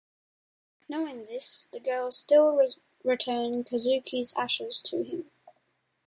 Knowing this, the girls still return Kazuki's ashes to him.